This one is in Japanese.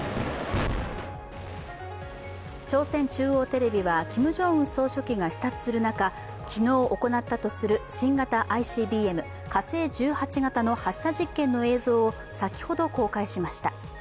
朝鮮中央テレビはキム・ジョンウン総書記が視察する中昨日行ったとする新型ＩＣＢＭ、火星１８型の発射実験の映像を先ほど公開しました。